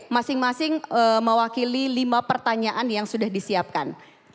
masing masing mewakili lima pertanyaan yang sudah disiapkan